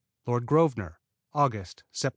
Lord Grosvenor Aug., Sept.